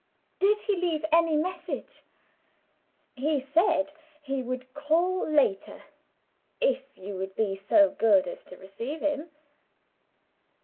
"Did he leave any message?" "He said he would call later, if you would be so good as to receive him."